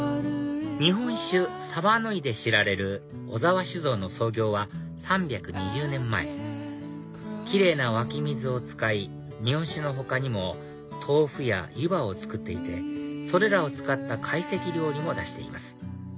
日本酒澤乃井で知られる小澤酒造の創業は３２０年前キレイな湧き水を使い日本酒の他にも豆腐や湯葉を作っていてそれらを使った懐石料理も出しています